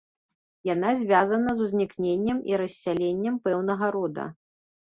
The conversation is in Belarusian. Яна звязана з узнікненнем і рассяленнем пэўнага рода.